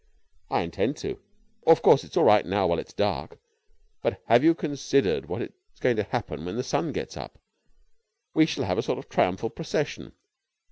"I intend to. Of course, it's all right now while it's dark. But have you considered what is going to happen when the sun gets up? We shall have a sort of triumphal procession.